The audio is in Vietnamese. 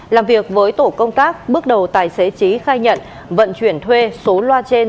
làm việc với tổ công tác bước đầu tài xế trí khai nhận vận chuyển thuê số loa trên